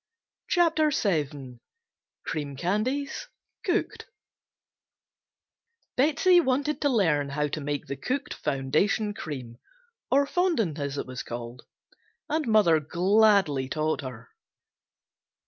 CHAPTER VII CREAM CANDIES COOKED BETSEY wanted to learn how to make the cooked foundation cream, or fondant as it was called, and mother gladly taught her.